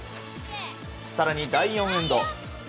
更に第４エンド。